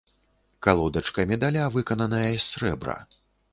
Калодачка медаля выкананая з срэбра.